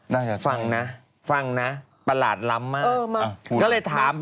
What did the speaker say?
น่าจะใช่ฟังนะฟังนะประหลาดล้ำมาก